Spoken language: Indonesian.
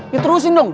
ya terusin dong